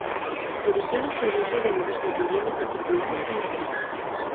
Dirigió los proyectos de diversas viviendas particulares en Madrid.